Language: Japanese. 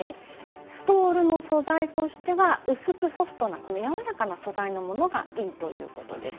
ストールの素材としては薄くソフトなやわらかな素材のものがいいということです。